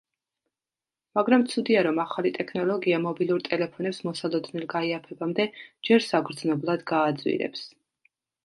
მაგრამ, ცუდია, რომ ახალი ტექნოლოგია მობილურ ტელეფონებს მოსალოდნელ გაიაფებამდე, ჯერ საგრძნობლად გააძვირებს.